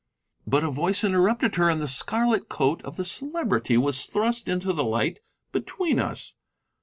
But a voice interrupted her, and the scarlet coat of the Celebrity was thrust into the light between us.